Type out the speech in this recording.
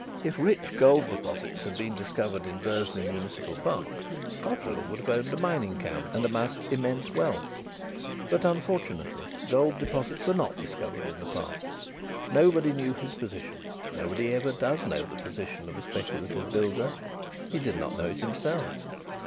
If rich gold deposits had been discovered in Bursley Municipal Park, Cotterill would have owned a mining camp and amassed immense wealth; but unfortunately gold deposits were not discovered in the Park. Nobody knew his position; nobody ever does know the position of a speculative builder. He did not know it himself.